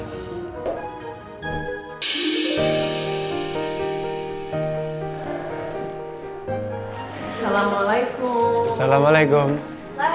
ada kita berdua